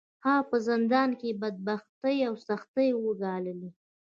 هغه په زندان کې بدبختۍ او سختۍ وګاللې.